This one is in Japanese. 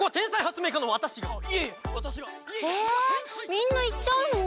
みんないっちゃうの？